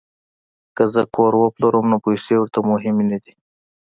که زه کور وپلورم نو پیسې ورته مهمې نه دي